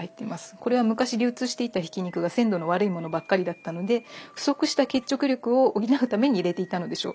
これは昔流通していたひき肉が鮮度の悪いものばかりだったので不足した結着力を補うために入れていたのでしょう。